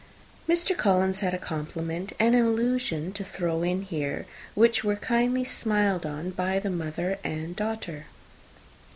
Mr. Collins had a compliment and an allusion to throw in here, which were kindly smiled on by the mother and daughter.